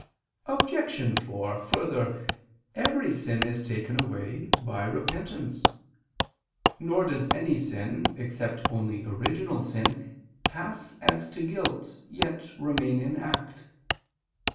Obj. 4: Further, every sin is taken away by repentance, nor does any sin, except only original sin, pass as to guilt, yet remain in act.